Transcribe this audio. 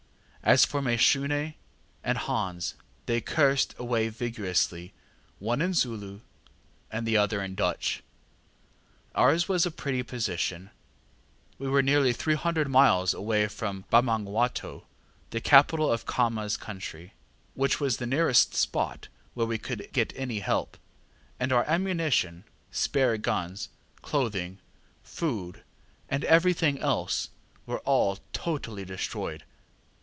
As for Mashune and Hans they cursed away vigorously, one in Zulu and the other in Dutch. Ours was a pretty position. We were nearly 300 miles away from Bamangwato, the capital of KhamaŌĆÖs country, which was the nearest spot where we could get any help, and our ammunition, spare guns, clothing, food, and everything else, were all totally destroyed.